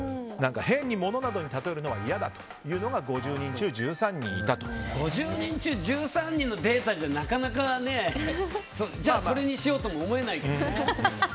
変に物などに例えるのは嫌だというのが５０人中１３人のデータじゃなかなかねじゃあそれにしようとも思えないけどね。